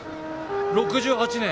６８年。